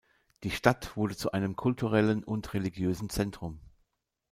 Die Stadt wurde zu einem kulturellen und religiösen Zentrum.